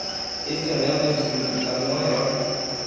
Este anel tem um significado maior